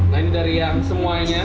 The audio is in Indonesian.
nah ini dari yang semuanya